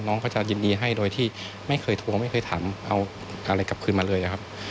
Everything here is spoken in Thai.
น้องก็จะยินดีให้โดยที่ไม่เคยโทรไม่เคยถามเอาอะไรกลับคืนมาเลยครับ